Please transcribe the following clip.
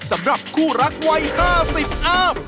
สำหรับคู่รักวัย๕๐อ้าม